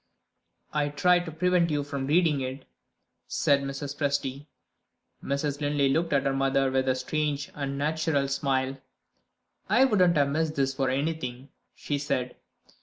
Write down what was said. "I tried to prevent you from reading it," said Mrs. Presty. Mrs. Linley looked at her mother with a strange unnatural smile. "I wouldn't have missed this for anything!" she said.